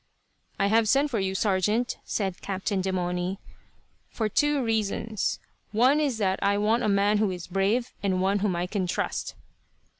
"I have sent for you, sergeant," said Captain Demauny, "for two reasons. One is that I want a man who is brave, and one whom I can trust."